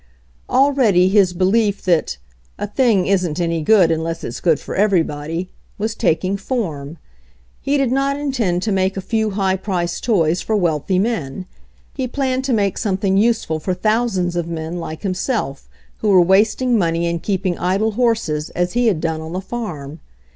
Already his "belief that "a thing isn't any good unless it's good for everybody" was taking form. He did not intend to make a few high priced toys for wealthy men ; he planned to make something useful for thousands of men like him self, who were wasting money in keeping idle horses, as he had done on the farm.